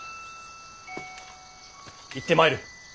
行ってまいる。